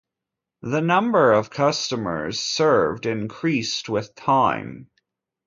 The number of customers served increased with time.